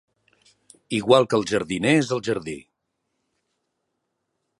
Igual que el jardiner és el jardí.